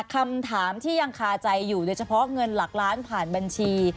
คำถามที่ยังคาใจอยู่โดยเฉพาะเงินหลักล้านผ่านบัญชี